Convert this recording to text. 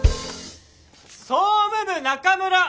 総務部中村。